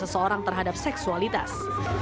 seorang terhadap seksualitas